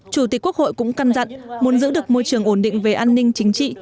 chủ tịch quốc hội cũng căn dặn muốn giữ được môi trường ổn định về an ninh chính trị